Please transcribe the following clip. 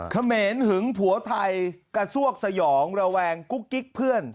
เขมรหึงผัวไทยกระซวกสยองระแวงกุ๊กกิ๊กเพื่อน